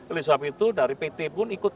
oleh sebab itu dari pt pun ikut